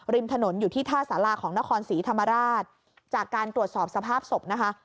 ริมถนนอยู่ที่ท่าสาราของนครศรีธรรมราชจากการตรวจสอบสภาพศพนะคะ